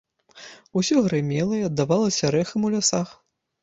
Усё грымела і аддавалася рэхам у лясах.